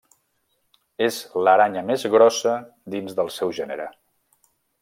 És l'aranya més grossa dins el seu gènere.